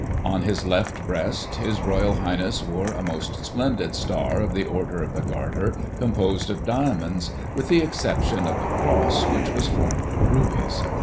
On his left breast His Royal Highness wore a most splendid star of the order of the Garter, composed of diamonds, with the exception of the cross, which was formed of rubies.